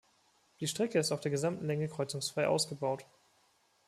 Die Strecke ist auf der gesamten Länge kreuzungsfrei ausgebaut.